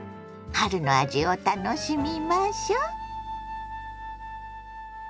春の味を楽しみましょ。